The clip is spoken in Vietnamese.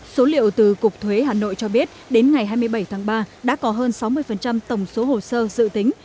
số liệu từ cục thuế hà nội cho biết đến ngày hai mươi bảy tháng ba đã có hơn sáu mươi tổng số hồ sơ dự tính